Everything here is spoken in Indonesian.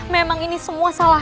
memang ini semua salah